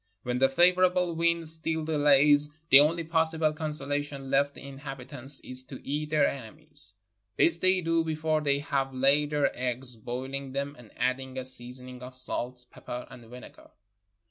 When the favorable wind still delays, the only possible consolation left the inhabitants is to eat their enemies; this they do before they have laid their eggs, boihng tliem and adding a seasoning of salt, pepper, and vinegar.